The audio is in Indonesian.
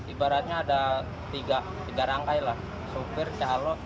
ibaratnya ada tiga rangkai lah supir calo